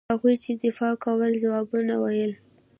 هغوی چې دفاع کوله ځوابونه وویل.